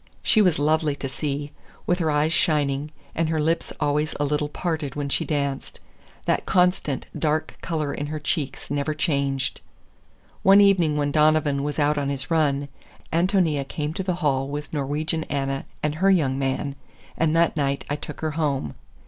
She was lovely to see, with her eyes shining, and her lips always a little parted when she danced. That constant, dark color in her cheeks never changed. One evening when Donovan was out on his run, Ántonia came to the hall with Norwegian Anna and her young man, and that night I took her home.